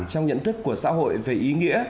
trong nhận thức của xã hội về ý nghĩa